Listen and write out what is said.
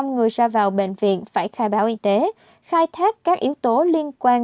một trăm linh người ra vào bệnh viện phải khai báo y tế khai thác các yếu tố liên quan